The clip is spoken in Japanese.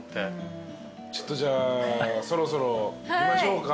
ちょっとじゃあそろそろ行きましょうか。